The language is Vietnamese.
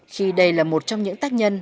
khi đây là một trong những tác nhân